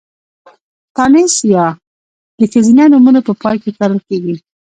تانيث ۍ د ښځينه نومونو په پای کې کارول کېږي.